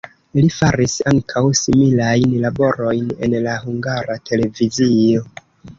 Li faris ankaŭ similajn laborojn en la Hungara Televizio.